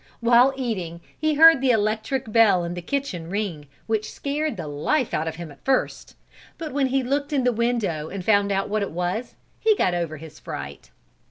While eating he heard the electric bell in the kitchen ring, which scared the life out of him at first, but when he looked in the window and found out what it was, he got over his fright.